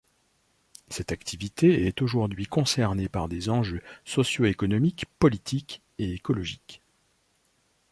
Cette activité est aujourd’hui concernée par des enjeux socio-économiques, politiques et écologiques.